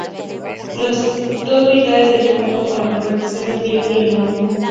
Las dos mitades del mundo son la representación del Viejo y el Nuevo Mundo.